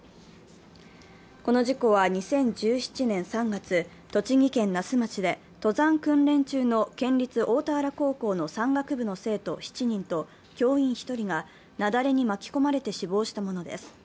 この事故は２０１７年３月、栃木県那須町で登山訓練中の県立大田原高校の山岳部の生徒７人と教員１人が雪崩に巻き込まれて死亡したものです。